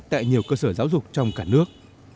tại nhiều cơ sở giáo dục trong cả nước